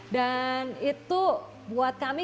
dan itu buat kami